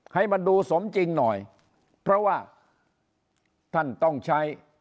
ให้มันดูสมจริงหน่อยเพราะว่าท่านต้องใช้